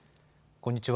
こんにちは。